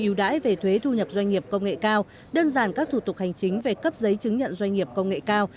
ưu đãi về thuế thu nhập doanh nghiệp công nghệ cao đơn giản các thủ tục hành chính về cấp giấy chứng nhận doanh nghiệp công nghệ cao